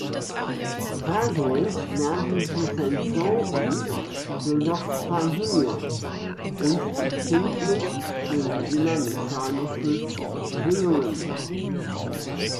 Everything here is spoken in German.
Dadurch werden die Sensoren jedoch fragil und empfindlich gegenüber mechanischen Schwingungen.